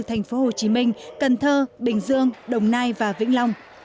thành phố hồ chí minh cần thơ bình dương đồng nai và vĩnh long